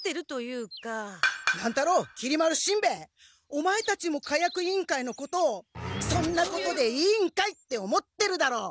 オマエたちも火薬委員会のことを「そんなことでいいんかい」って思ってるだろう！